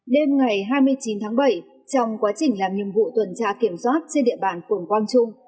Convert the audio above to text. đêm ngày hai mươi chín tháng bảy trong quá trình làm nhiệm vụ tuần tra kiểm soát trên địa bàn phường quang trung